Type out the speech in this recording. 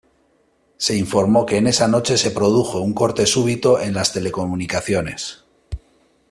Se informó que en esa noche se produjo un corte súbito en las telecomunicaciones.